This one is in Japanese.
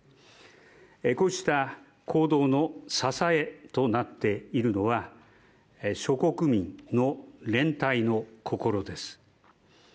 こうした行動の支えとなっているのは諸国民の連帯の心です。